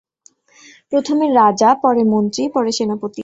প্রথমে রাজা, পরে মন্ত্রী, পরে সেনাপতি।